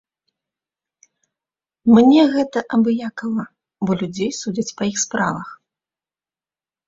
Мне гэта абыякава, бо людзей судзяць па іх справах.